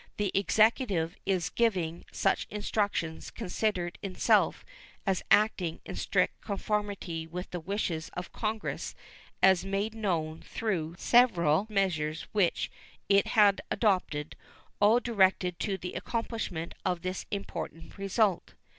The Executive in giving such instructions considered itself as acting in strict conformity with the wishes of Congress as made known through several measures which it had adopted, all directed to the accomplishment of this important result.